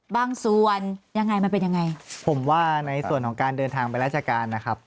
บางส่วนยังไงมันเป็นยังไงผมว่าในส่วนของการเดินทางไปราชการนะครับ